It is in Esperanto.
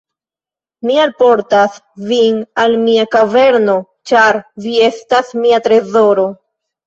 "Mi alportas vin al mia kaverno, ĉar vi estas mia trezoro."